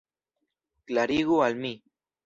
Klarigu al mi.